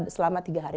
selama tiga hari